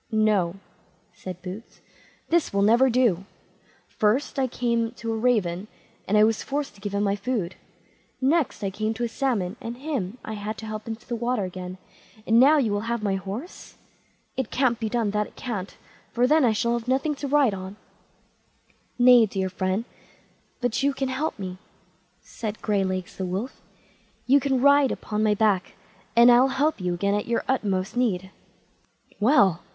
"No", said Boots, "this will never do; "first I came to a raven, and I was forced to give him my food; next I came to a salmon, and him I had to help into the water again; and now you will have my horse. It can't be done, that it can't, for then I should have nothing to ride on." "Nay, dear friend, but you can help me", said Graylegs the wolf; "you can ride upon my back, and I'll help you again in your utmost need." "Well!